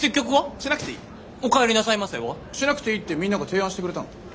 しなくていいってみんなが提案してくれたの。